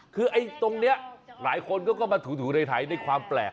คือไอ้ตรงนี้หลายคนก็มาถูในไทยในความแปลก